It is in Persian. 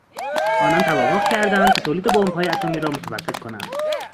آنان توافق کردند که تولید بمبهای اتمی را متوقف کنند.